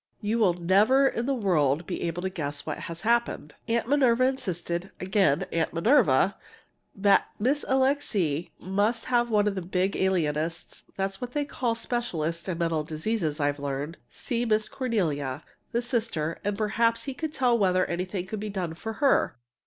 You will never in the world be able to guess what has happened. Aunt Minerva insisted (again Aunt Minerva) that Miss Alixe must have one of the big alienists (that's what they call specialists in mental diseases, I've learned) see Miss Cornelia, the sister, and perhaps he could tell whether anything could be done for her.